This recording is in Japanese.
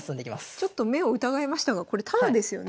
ちょっと目を疑いましたがこれタダですよね？